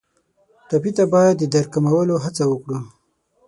ټپي ته باید د درد کمولو هڅه وکړو.